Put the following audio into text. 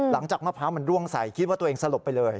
มะพร้าวมันร่วงใส่คิดว่าตัวเองสลบไปเลย